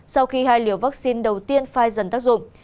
sau khi hai liều vaccine đầu tiên fi dần tác dụng